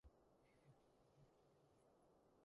死、驚、傷為三凶門。